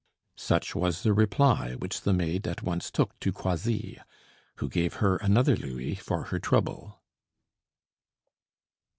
Such was the reply which the maid at once took to Croisilles, who gave her another louis for her trouble.